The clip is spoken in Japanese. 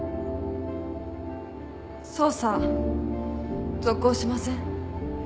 捜査続行しません？